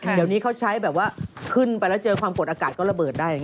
เดี๋ยวนี้เขาใช้แบบว่าขึ้นไปแล้วเจอความกดอากาศก็ระเบิดได้